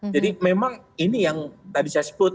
jadi memang ini yang tadi saya sebut